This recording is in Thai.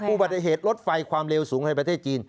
อุบัติเหตุรถไฟความเร็วสูงในประเทศจีน